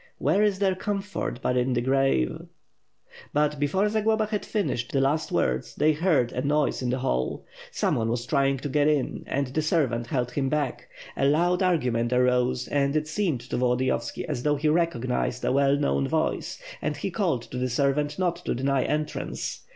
"Where is there comfort but in the grave?" But, before Zagloba had finished the last words, they heard a noise in the hall. Some one was trying to get in and the servant held him back. A loud argument arose and it seemed to Volodiyovski as though he recognized a well known voice, and he called to the servant not to deny entrance.